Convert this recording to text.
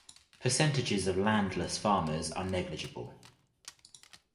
Percentages of landless farmers are negligible.